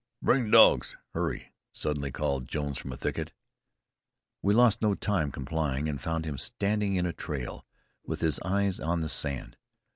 "Bring the dogs! Hurry!" suddenly called Jones from a thicket. We lost no time complying, and found him standing in a trail, with his eyes on the sand.